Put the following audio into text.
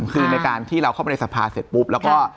คือในการที่เราเข้าไปในสภาเสร็จปุ๊บแล้วก็